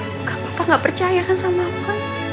tunggu papa gak percayakan sama apa